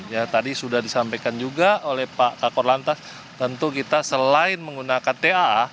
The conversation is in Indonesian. ya tadi sudah disampaikan juga oleh pak kakor lantas tentu kita selain menggunakan ta